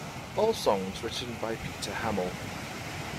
All songs written by Peter Hammill.